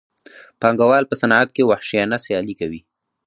پانګوال په صنعت کې وحشیانه سیالي کوي